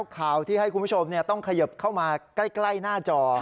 ข่าวที่ให้คุณผู้ชมต้องเขยิบเข้ามาใกล้หน้าจอ